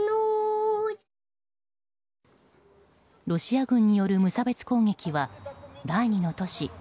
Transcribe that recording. ロシア軍による無差別攻撃は第２の都市